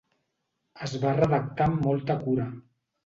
Es va redactar amb molta cura.